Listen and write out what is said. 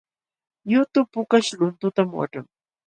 Yutu pukaśh luntutam waćhan